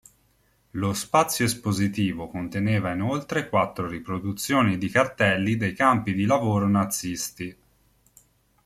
Lo spazio espositivo conteneva inoltre quattro riproduzioni di cartelli dei campi di lavoro nazisti.